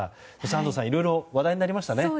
安藤さん、いろいろ話題になりましたね。